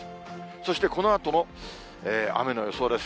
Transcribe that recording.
そしてこのあとの雨の予想です。